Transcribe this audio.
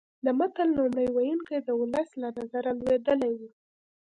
د متل لومړی ویونکی د ولس له نظره لوېدلی وي